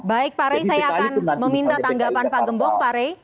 baik pak rey saya akan meminta tanggapan pak gembong